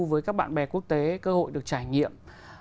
với các bạn bè quốc tế cơ hội được trải nghiệm